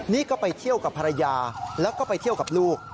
นี่ก็ไปเที่ยวกับภรรยาแล้วก็ไปเที่ยวกับลูก